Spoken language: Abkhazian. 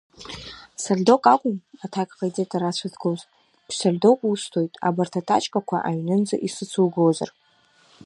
Сольдок акәым, аҭак ҟаиҵеит арацәа згоз, ԥшьсольдок усҭоит абарҭ атачкақәа аҩнынӡа исыцугозар.